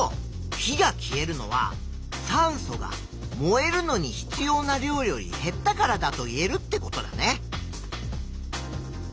火が消えるのは酸素が燃えるのに必要な量より減ったからだといえるってことだね。